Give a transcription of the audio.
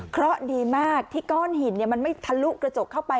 เพราะดีมากที่ก้อนหินมันไม่ทะลุกระจกเข้าไป